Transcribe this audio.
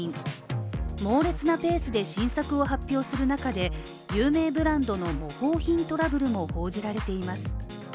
猛烈なペースで新作を発表する中で有名ブランドの模倣品トラブルも報じられています。